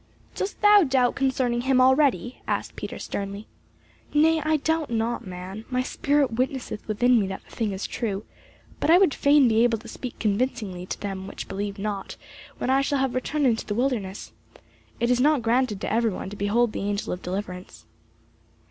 "Dost thou doubt concerning him already?" asked Peter sternly. "Nay, I doubt not, man; my spirit witnesseth within me that the thing is true. But I would fain be able to speak convincingly to them which believe not, when I shall have returned into the wilderness. It is not granted to every one to behold the angel of deliverance."